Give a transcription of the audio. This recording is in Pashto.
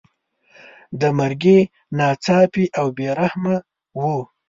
د مرګي ناڅاپي او بې رحمه وو.